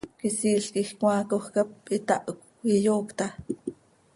Quisiil quij cmaacoj cap itahcö, iyoocta.